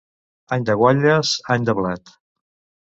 Any de guatlles, any de blat.